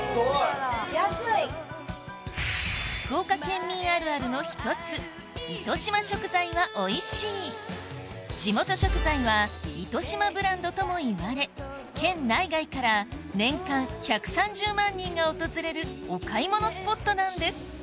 福岡県民あるあるの一つ糸島食材はおいしい地元食材は糸島ブランドともいわれ県内外から年間１３０万人が訪れるお買い物スポットなんです